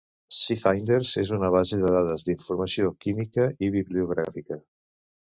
SciFinder és una base de dades d'informació química i bibliogràfica.